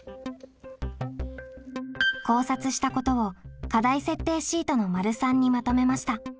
考察したことを課題設定シートの③にまとめました。